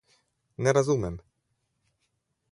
Ne razumem.